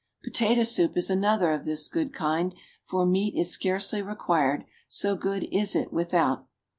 POTATO SOUP is another of this good kind, for meat is scarcely required, so good is it without.